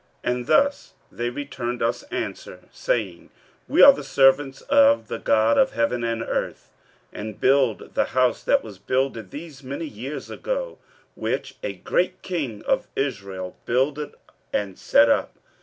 15:005:011 And thus they returned us answer, saying, We are the servants of the God of heaven and earth, and build the house that was builded these many years ago, which a great king of Israel builded and set up.